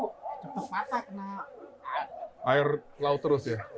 tetap patah kena air laut terus ya